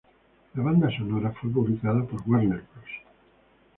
La banda sonora fue publicada por Warner Bros.